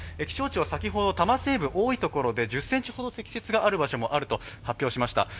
気象庁は先ほど多摩西部、多いところで１０ｃｍほど積雪があるところもはあると発表しました。